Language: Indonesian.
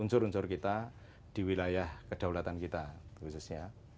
unsur unsur kita di wilayah kedaulatan kita khususnya